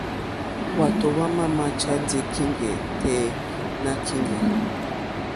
Hwátò hwámà máchá ndí kíŋgɛ̀ tɛ́ nà kíŋgɛ̀.